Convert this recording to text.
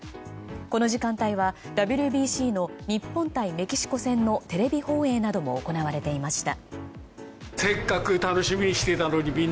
この時間帯はＷＢＣの日本対メキシコ戦のテレビ放映なども行われていました。